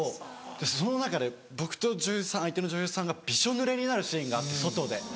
その中で僕と相手の女優さんがびしょぬれになるシーンがあって外で。